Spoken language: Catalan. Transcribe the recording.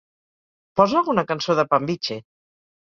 Posa alguna cançó de Pambiche